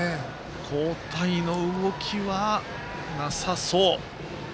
交代の動きはなさそう。